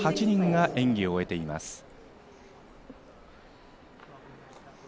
１８人が演技を終えています。